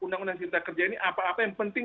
undang undang cipta kerja ini apa apa yang penting